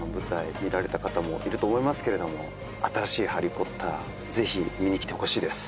見られた方もいると思いますけれども新しいハリー・ポッターぜひ見に来てほしいです